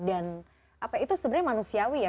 dan itu sebenarnya manusiawi ya